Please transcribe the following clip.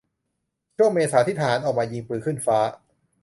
ช่วงเมษาที่ทหารออกมา 'ยิงปืนขึ้นฟ้า'